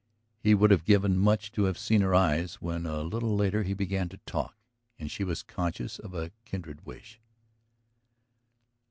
He would have given much to have seen her eyes when a little later he began to talk. And she was conscious of a kindred wish.